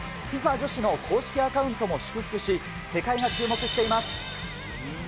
女子の公式アカウントも祝福し、世界が注目しています。